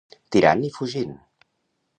Tirant i fugint.